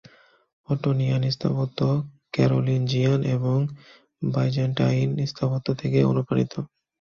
অটোনিয়ান স্থাপত্য ক্যারোলিঞ্জিয়ান এবং বাইজেন্টাইন স্থাপত্য থেকে অনুপ্রাণিত।